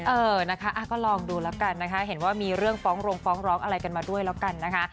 เออนะคะก็ลองดูแล้วกันนะคะเห็นว่ามีเรื่องฟ้องโรงฟ้องร้องอะไรกันมาด้วยแล้วกันนะคะ